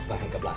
và hẹn gặp lại